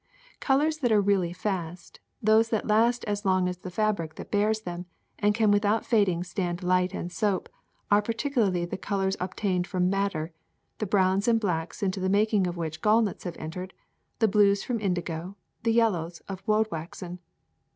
Colors that are really fast, those that last as long as the fabric that bears them, and can without fad ing stand light and soap, are particularly the colors obtained from madder, the browns and blacks into the making of which gallnuts have entered, the blues from indigo, and the yellows of woadwaxen.